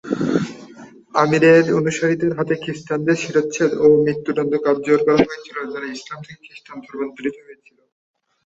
আমিরের অনুসারীদের হাতে খ্রিস্টানদের শিরশ্ছেদ ও মৃত্যুদণ্ড কার্যকর করা হয়েছিল যারা ইসলাম থেকে খ্রিস্টান ধর্মান্তরিত হয়েছিল।